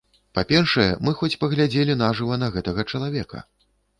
Па-першае, мы хоць паглядзелі на жыва на гэтага чалавека.